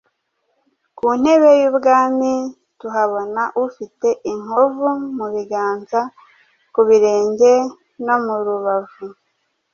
Ku ntebe y’ubwami tuhabona Ufite inkovu mu biganza, ku birenge no mu rubavu.